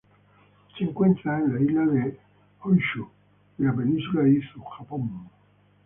Se encuentra en la isla de Honshu y la península de Izu, Japón.